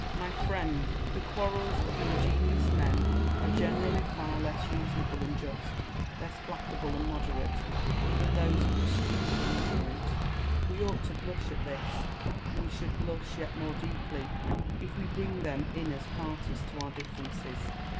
My friend ! the quarrels of ingenious men are generally far less reason able and just, less placable and moderate, than those of the stupid and ignorant. We ought to blush at this : and we should blush yet more deeply if we bring them in as parties to our differences.